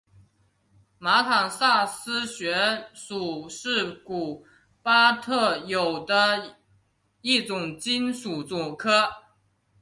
马坦萨斯穴鼠是古巴特有的一种棘鼠科。